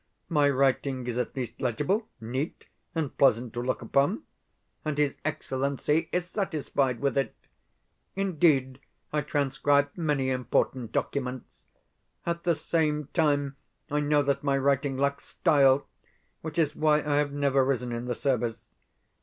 My writing is at least legible, neat, and pleasant to look upon and his Excellency is satisfied with it. Indeed, I transcribe many important documents. At the same time, I know that my writing lacks STYLE, which is why I have never risen in the service.